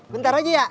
bentar aja ya